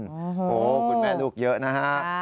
โอ้โหคุณแม่ลูกเยอะนะฮะ